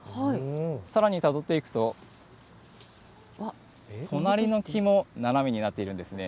さらにたどっていくと、隣の木も斜めになっているんですね。